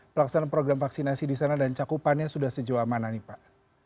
pelaksanaan program vaksinasi di sana dan cakupannya sudah sejauh mana nih pak